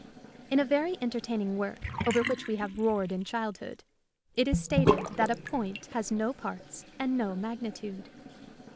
In a very entertaining work, over which we have roared in childhood, it is stated that a point has no parts and no magnitude.